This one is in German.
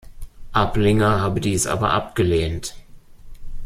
Ablinger habe dies aber abgelehnt.